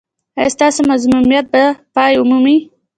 ایا ستاسو مظلومیت به پای ومومي؟